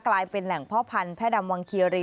กลายเป็นแหล่งพ่อพันธดำวังเคียรี